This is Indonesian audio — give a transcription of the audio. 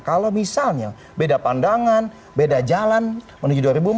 kalau misalnya beda pandangan beda jalan menuju dua ribu empat belas